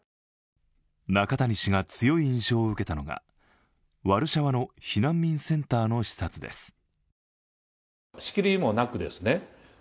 中谷氏が強い印象を受けたのがワルシャワの避難民センターの視察です。